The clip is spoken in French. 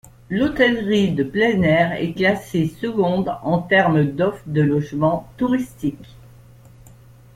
L'hôtellerie de plein aire est classée seconde en terme d'offre de logements touristiques.